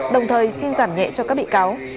đồng thời xin giảm nhẹ cho các bị cáo